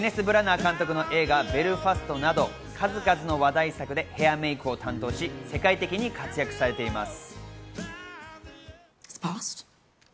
ケネス・ブラナー監督の映画『ベルファスト』など数々の話題作でヘアメイクを担当し、世界的に活躍されています。